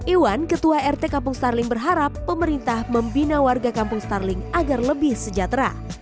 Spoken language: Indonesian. iwan ketua rt kampung starling berharap pemerintah membina warga kampung starling agar lebih sejahtera